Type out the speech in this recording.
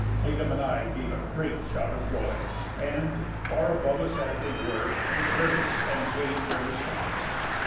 Tatum and I gave a great shout of joy, and, far above as they were, they heard us and waved their response.